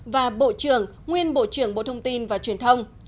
và bộ trưởng nguyên bộ trưởng bộ thông tin và truyền thông